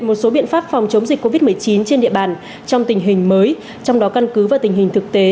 một số biện pháp phòng chống dịch covid một mươi chín trên địa bàn trong tình hình mới trong đó căn cứ vào tình hình thực tế